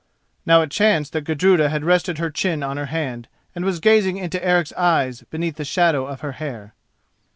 Now it chanced that Gudruda had rested her chin on her hand, and was gazing into Eric's eyes beneath the shadow of her hair.